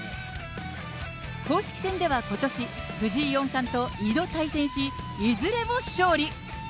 公式戦ではことし、藤井四冠と２度対戦し、いずれも勝利。